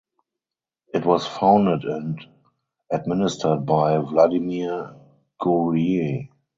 It was founded and administered by Vladimir Guerrier.